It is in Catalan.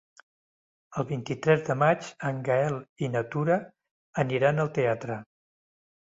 El vint-i-tres de maig en Gaël i na Tura aniran al teatre.